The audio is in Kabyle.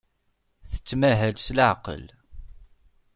Tettmahal s leɛqel.